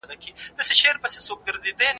هغه د افغانانو د یووالي لپاره لارښود و.